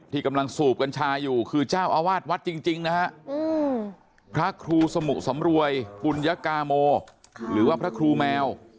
กำลังสูบกัญชาอยู่คือเจ้าอาวาสวัดจริงนะฮะพระครูสมุสำรวยปุญกาโมหรือว่าพระครูแมว